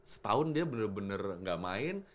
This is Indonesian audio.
setahun dia benar benar nggak main